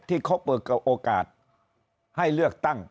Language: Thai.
ที่เขาเปิดกับโอกาสให้เลือกตั้ง